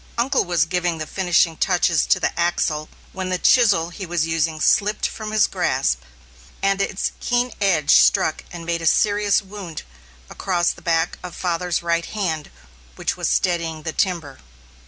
Uncle was giving the finishing touches to the axle, when the chisel he was using slipped from his grasp, and its keen edge struck and made a serious wound across the back of father's right hand which was steadying the timber.